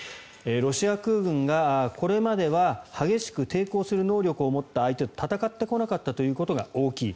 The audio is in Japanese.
ロシア空軍がこれまでは激しく抵抗する能力を持った相手と戦ってこなかったということが大きい